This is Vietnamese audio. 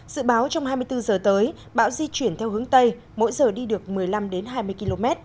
dự báo trong hai mươi bốn giờ tới bão di chuyển theo hướng tây mỗi giờ đi được một mươi năm hai mươi km